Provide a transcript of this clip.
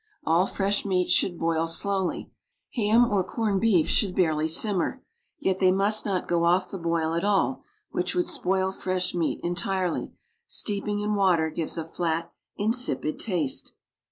All fresh meat should boil slowly; ham or corn beef should barely simmer. Yet they must not go off the boil at all, which would spoil fresh meat entirely; steeping in water gives a flat, insipid taste.